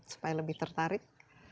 supaya lebih tertarik